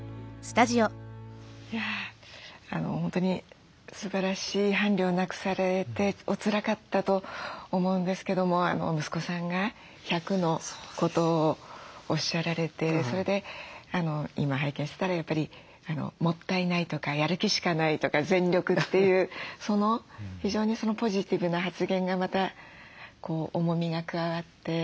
本当にすばらしい伴侶を亡くされておつらかったと思うんですけども息子さんが１００のことをおっしゃられてそれで今拝見してたらやっぱり「もったいない」とか「やる気しかない」とか「全力」っていう非常にポジティブな発言がまたこう重みが加わって。